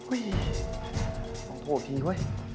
อุ้ยต้องโทษทีด้วย